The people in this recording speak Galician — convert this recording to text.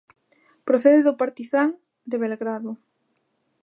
Procede do Partizán de Belgrado.